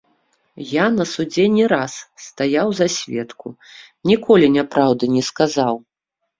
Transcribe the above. Я на судзе не раз стаяў за сведку, ніколі няпраўды не сказаў.